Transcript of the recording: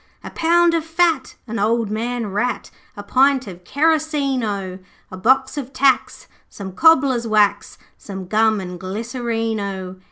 'A pound of fat, an old man rat, A pint of kerosene O! A box of tacks, some cobbler's wax, Some gum and glycerine O!